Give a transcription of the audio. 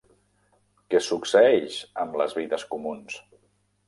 Què succeeix amb les vides comuns?